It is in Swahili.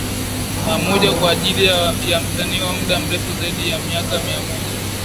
Na moja kwa ajili ya Msanii wa mda mrefu zaidi ya miaka mia moja